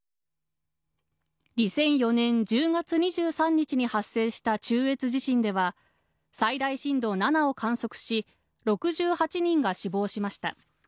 ２００４年１０月２３日に発生した中越地震では、最大震度７を観測し、６８人が死亡しました。